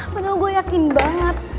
padahal gue yakin banget